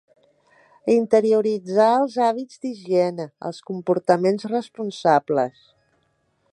Interioritzar els hàbits d'higiene, els comportaments responsables.